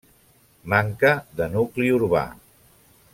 Manca de nucli urbà.